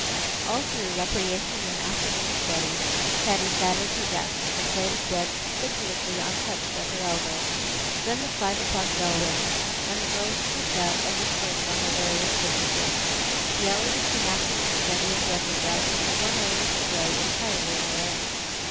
All through recreation and afternoon study, Patty sat at her desk, the plate of bread conspicuously untouched at her elbow. Then the five o'clock bell rang, and the girls trooped out and dispersed on their various businesses. The hour between afternoon study and dressing bell, was the one hour of the day entirely their own.